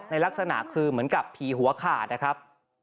ลักษณะคือเหมือนกับผีหัวขาดนะครับ